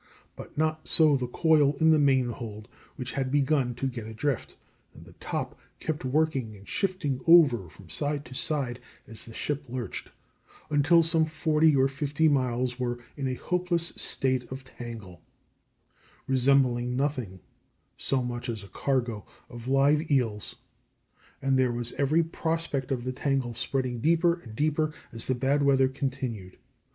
But not so the coil in the main hold, which had begun to get adrift, and the top kept working and shifting over from side to side, as the ship lurched, until some forty or fifty miles were in a hopeless state of tangle, resembling nothing so much as a cargo of live eels, and there was every prospect of the tangle spreading deeper and deeper as the bad weather continued.